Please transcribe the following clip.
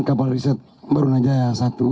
kapal riset barunajaya satu